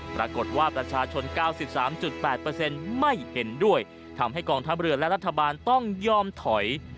ปรากฏว่าประชาชน๙๓๘ไม่เห็นด้วยทำให้กองทัพเรือและรัฐบาลต้องยอมถอย